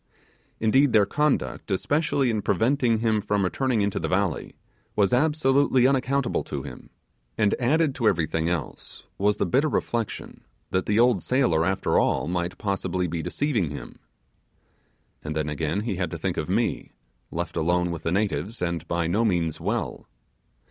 Indeed, their conduct, especially in preventing him from returning into the valley, was absolutely unaccountable to him; and added to everything else, was the bitter reflection, that the old sailor, after all, might possibly be deceiving him. And then again he had to think of me, left alone with the natives, and by no means well.